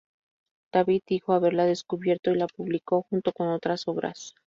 David dijo haberla descubierto, y la publicó junto con otras obras.